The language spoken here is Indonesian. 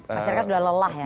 masyarakat sudah lelah ya